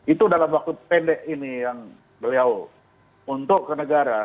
itu dalam waktu pendek ini yang beliau untuk ke negara